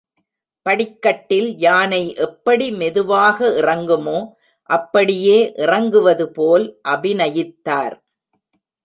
படிக்கட்டில் யானை எப்படி மெதுவாக இறங்குமோ அப்படியே இறங்குவது போல் அபிநயித்தார்.